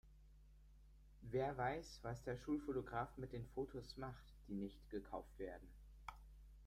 Wer weiß, was der Schulfotograf mit den Fotos macht, die nicht gekauft werden?